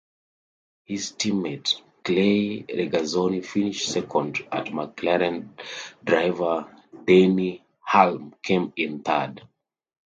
His teammate Clay Regazzoni finished second and McLaren driver Denny Hulme came in third.